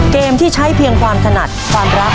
เกมที่ใช้เพียงความถนัดความรัก